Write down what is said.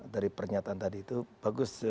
dari pernyataan tadi itu bagus